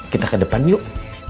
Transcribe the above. kita ke depan yuk